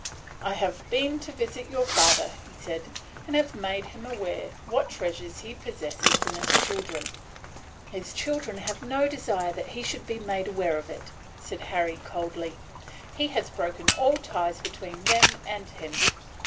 "I have been to visit your father," he said, "and have made him aware what treasures he possesses in his children." "His children have no desire that he should be made aware of it," said Harry, coldly. "He has broken all ties between them and him."